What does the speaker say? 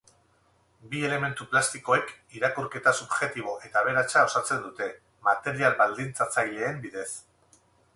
Bi elementu plastikoek irakurketa subjektibo eta aberatsa osatzen dute, material baldintzatzaileen bidez.